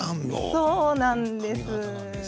そうなんです。